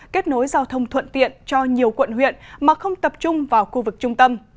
kết nối giao thông thuận tiện cho nhiều quận huyện mà không tập trung vào khu vực trung tâm